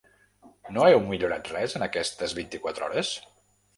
No heu millorat res en aquestes vint-i-quatre hores?????